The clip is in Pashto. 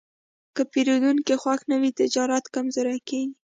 که پیرودونکی خوښ نه وي، تجارت کمزوری کېږي.